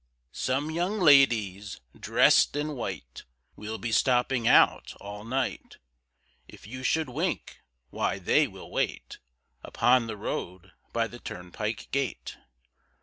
Some young ladies dress'd in white, Will be stopping out all night; If you should wink why they will wait, Upon the road by the turnpike gate.